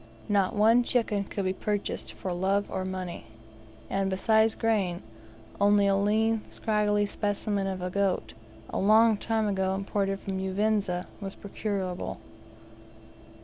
Not one chicken could be purchased for love or money, and, besides grain, only a lean, scraggy specimen of a goat, a long time ago imported form Uvinza, was procurable.